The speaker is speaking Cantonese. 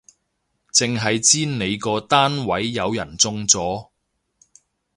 剩係知你個單位有人中咗